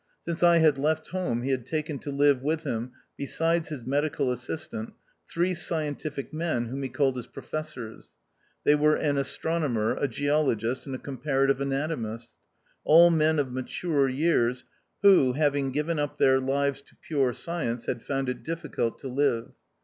Since I had left home he had taken to live with him, besides his medical assistant, three scientific men, whom he called his Profes sors. They were an astronomer, a geologist, and a comparative anatomist — all men of mature years, who, having given up their lives to pure science, had found it diffi cult to live.